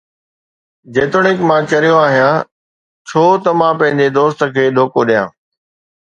جيتوڻيڪ مان چريو آهيان، ڇو ته مان پنهنجي دوست کي دوکو ڏيان؟